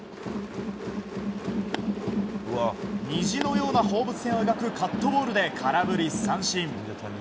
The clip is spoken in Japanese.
虹のような放物線を描くカットボールで空振り三振。